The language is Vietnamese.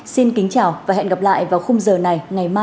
xin kính chào và hẹn gặp lại vào khung giờ này ngày mai